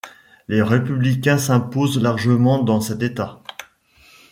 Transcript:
Les républicains s'imposent largement dans cet État.